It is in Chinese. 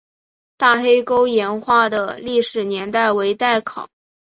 大黑沟岩画的历史年代为待考。